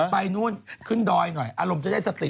ไปนู่นขึ้นดอยหน่อยอารมณ์จะได้สติ